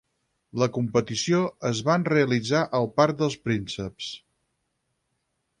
La competició es van realitzar al Parc dels Prínceps.